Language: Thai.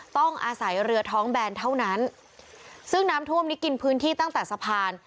ต้องอาศัยเรือท้องแบนเท่านั้นซึ่งน้ำท่วมนี้กินพื้นที่ตั้งแต่สะพาน